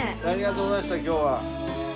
ありがとうございました今日は。